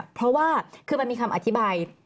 เพราะว่ามีคำอธิบาย